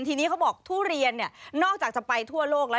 ทีนี้เขาบอกทุเรียนเนี่ยนอกจากจะไปทั่วโลกแล้ว